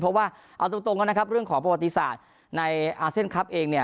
เพราะว่าเอาตรงกันนะครับเรื่องของประวัติศาสตร์ในอาเซียนคลับเองเนี่ย